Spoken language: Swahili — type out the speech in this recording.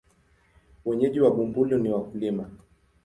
Wenyeji wa Bumbuli ni wakulima.